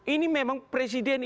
ini memang presidennya